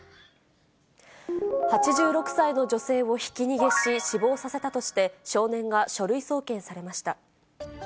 ８６歳の女性をひき逃げし、死亡させたとして、少年が書類送検されました。